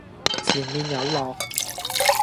前面有落